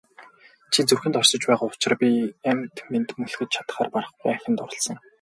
Чи зүрхэнд оршиж байгаа учир би амьд мэнд мөлхөж чадахаар барахгүй ахин дурласан.